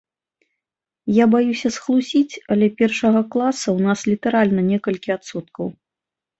Я баюся схлусіць, але першага класа ў нас літаральна некалькі адсоткаў.